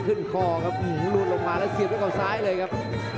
ขึ้นคอครับหลุดลงมาแล้วเสียบไปข้างซ้ายเลยครับ